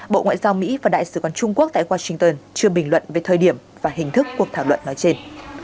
bộ ngoại giao mỹ và đại sứ quán trung quốc tại washington chưa bình luận về thời điểm và hình thức cuộc thảo luận nói trên